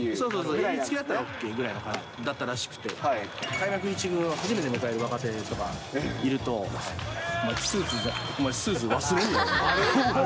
襟付きだったらＯＫみたいな感じで開幕１軍を初めて迎える若手とかいると、お前、スーツ忘れんなよって。